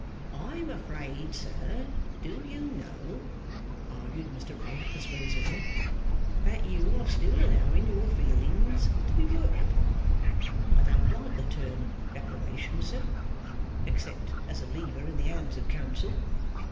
'I am afraid, sir, do you know,' argued Mr Rugg persuasively, 'that you are still allowing your feeling to be worked upon. I don't like the term "reparation," sir, except as a lever in the hands of counsel.